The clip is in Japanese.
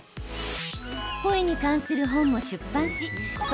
声に関する本も出版し声